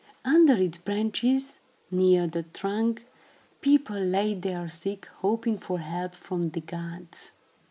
Under its branches, near the trunk, people laid their sick, hoping for help from the gods.